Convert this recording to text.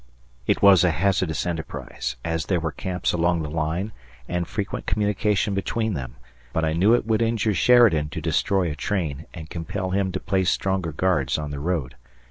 It was a hazardous enterprise, as there were camps along the line and frequent communication between them, but I knew it would injure Sheridan to destroy a train and compel him to place stronger guards on the road.